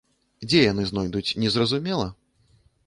Дзе яны знойдуць, незразумела?